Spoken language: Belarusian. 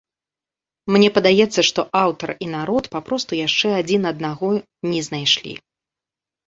Мне падаецца, што аўтар і народ папросту яшчэ адзін аднаго не знайшлі.